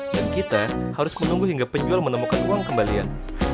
dan kita harus menunggu hingga penjual menemukan uang kembalian